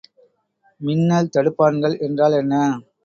மின்னல் தடுப்பான்கள் என்றால் என்ன?